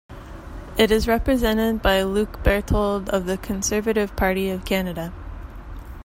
It is represented by Luc Berthold of the Conservative Party of Canada.